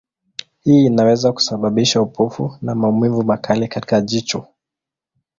Hii inaweza kusababisha upofu na maumivu makali katika jicho.